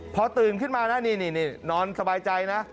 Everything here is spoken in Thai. พอตื่นขึ้นมานะนี่นอนสบายใจนะ